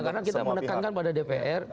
karena kita menekankan pada dpr